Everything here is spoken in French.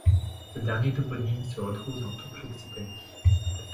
Ce dernier toponyme se retrouve dans toute l'Occitanie.